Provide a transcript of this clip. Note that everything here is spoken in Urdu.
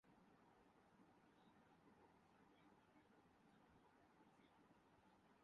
وہ شہر کے معززین میں شامل ہو گیا